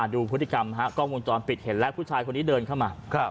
ดูพฤติกรรมฮะกล้องวงจรปิดเห็นแล้วผู้ชายคนนี้เดินเข้ามา